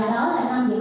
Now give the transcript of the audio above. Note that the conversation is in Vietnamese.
công ty thông sách